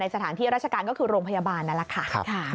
สถานที่ราชการก็คือโรงพยาบาลนั่นแหละค่ะ